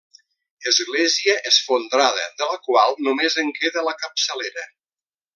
Església esfondrada de la qual només en queda la capçalera.